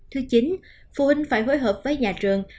thứ chín phụ huynh phải phối hợp với nhà trường